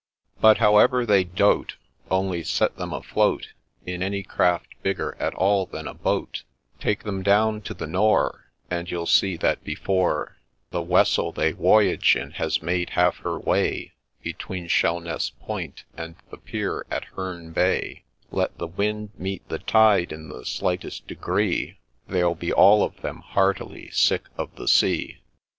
PETERS'S STORY But, however they dote, Only set them afloat In any craft bigger at all than a boat, Take them down to the Nore, And you'll see that, before The ' Wessel ' they ' Woyage ' in has made half her waj Between Shell Ness Point and the pier at Herne Bay, Let the wind meet the tide in the slightest degree, They'll be all of them heartily sick of ' the Sea